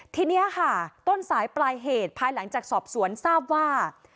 ทีนี้ค่ะต้นสายปลายเหตุภายหลังจากสอบสวนทราบว่า